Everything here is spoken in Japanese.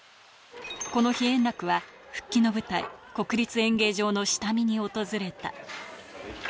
この日、円楽は復帰の舞台、国立演芸場の下見に訪れた。